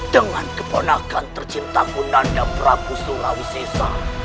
dengan keponakan tercintaku nanda prabu surawi caesar